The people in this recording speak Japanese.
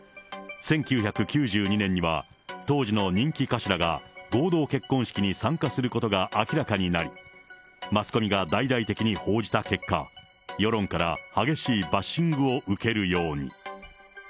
１９９２年には、当時の人気歌手らが合同結婚式に参加することが明らかになり、マスコミが大々的に報じた結果、世論から激しいバッシングを受けるように。